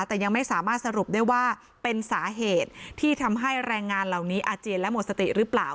แต่ยังไม่สามารถสรุปได้ว่าเป็นสาเหตุที่ทำให้แรงงานเหล่านี้อาเจียนและหมดสติหรือเปล่า